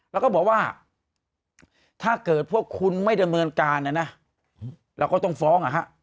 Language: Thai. แล้วก็บอกว่าถ้าเกิดพวกคุณไม่ดำเนินการนะนะเราก็ต้องฟ้อง